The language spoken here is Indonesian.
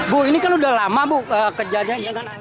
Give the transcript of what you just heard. bu ini kan udah lama bu kejadiannya